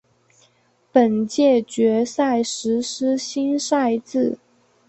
本届决赛实施新赛制。